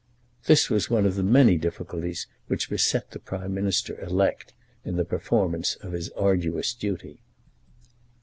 This was one of the many difficulties which beset the Prime Minister elect in the performance of his arduous duty.